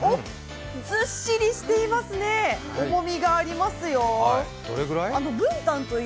ずっしりしていますね、重みがありますよ。